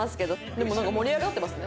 でもなんか盛り上がってますね。